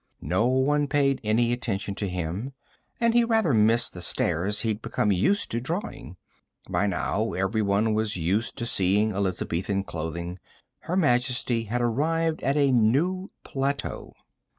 No one paid any attention to him, and he rather missed the stares he'd become used to drawing. But by now, everyone was used to seeing Elizabethan clothing. Her Majesty had arrived at a new plateau.